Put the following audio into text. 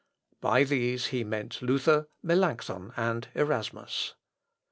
By these he meant Luther, Melancthon, and Erasmus.